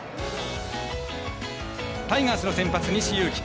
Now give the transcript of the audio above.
タイガースの先発、西勇輝。